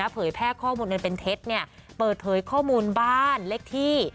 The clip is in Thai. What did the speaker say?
เผยแพร่ข้อมูลอันเป็นเท็จเปิดเผยข้อมูลบ้านเลขที่